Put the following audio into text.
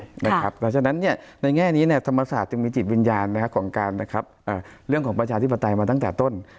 เพราะฉะนั้นในแง่นี้ธรรมศาสตร์จึงมีจิตวิญญาณของการเรื่องของประชาธิปไตยมาตั้งแต่ต้น